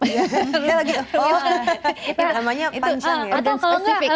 namanya panjang ya